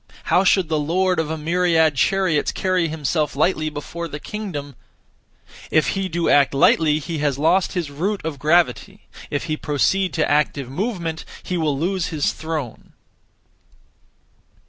How should the lord of a myriad chariots carry himself lightly before the kingdom? If he do act lightly, he has lost his root (of gravity); if he proceed to active movement, he will lose his throne.